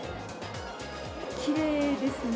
きれいですね。